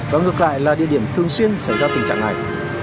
và ngược lại là địa điểm thường xuyên xảy ra tình trạng này